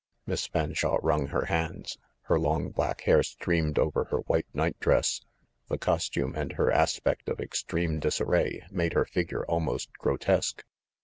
Miss Fanshawe wrung her hands. Her long black hair streamed over her white night dress ; the costume and her aspect of extreme disarray made her figure almost grotesque.